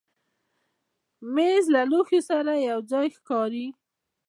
مېز له لوښو سره یو ځای ښکاري.